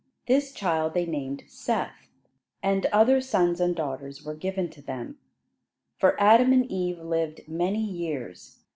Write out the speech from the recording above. This child they named Seth; and other sons and daughters were given to them; for Adam and Eve lived many years.